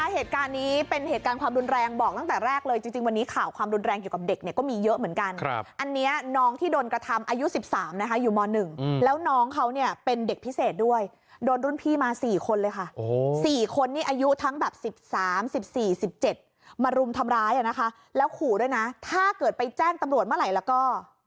เหตุการณ์นี้เป็นเหตุการณ์ความรุนแรงบอกตั้งแต่แรกเลยจริงวันนี้ข่าวความรุนแรงเกี่ยวกับเด็กเนี่ยก็มีเยอะเหมือนกันอันนี้น้องที่โดนกระทำอายุ๑๓นะคะอยู่ม๑แล้วน้องเขาเนี่ยเป็นเด็กพิเศษด้วยโดนรุ่นพี่มา๔คนเลยค่ะ๔คนนี้อายุทั้งแบบ๑๓๑๔๑๗มารุมทำร้ายนะคะแล้วขู่ด้วยนะถ้าเกิดไปแจ้งตำรวจเมื่อไหร่แล้วก็